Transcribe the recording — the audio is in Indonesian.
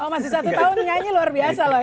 oh masih satu tahun nyanyi luar biasa loh